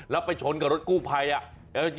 แล้วไปชนกับรถกู้ภัย